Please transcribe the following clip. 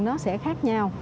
nó sẽ khác nhau